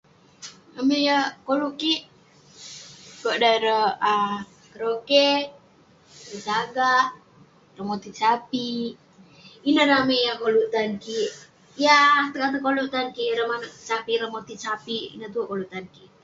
Ramey yah koluk kik, konak dan ireh [um]karaoke, tai sagak, ireh motit sape'..ineh ramey yah koluk tan kik..yah ateg ateg koluk tan kik ireh manouk sape' rawah ireh motit sape'..ineh tuwerk koluk tan kik...